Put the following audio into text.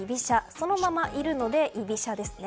そのままいるので居飛車ですね。